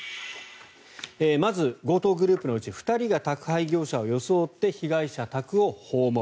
まず、強盗グループのうち２人が宅配業者を装って被害者宅を訪問。